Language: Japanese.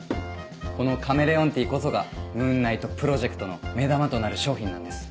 このカメレオンティーこそがムーンナイトプロジェクトの目玉となる商品なんです。